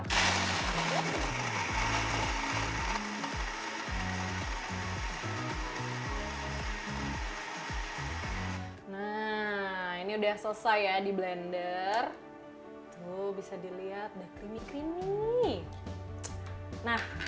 nah ini udah selesai ya di blender tuh bisa dilihat creamy creamy nah selanjutnya kita akan menaruh topping ya ini kita akan menaruh topping ya